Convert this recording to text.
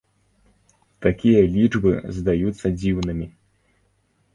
Такія лічбы здаюцца дзіўнымі.